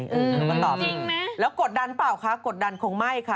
ผมก็ตอบแล้วกดดันเปล่าคะกดดันคงไม่ค่ะ